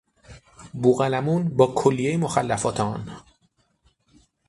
بوقلمون با کلیهی مخلفات آن